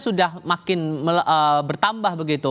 sudah makin bertambah begitu